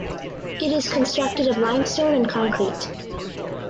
It is constructed of limestone and concrete.